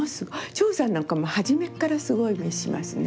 張栩さんなんか初めっからすごい眼しますね